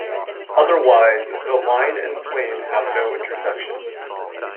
Otherwise, the line and plane have no intersection.